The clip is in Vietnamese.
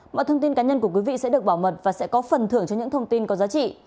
mọi thông tin cá nhân của quý vị sẽ được bảo mật và sẽ có phần thưởng cho những thông tin có giá trị